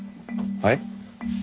はい。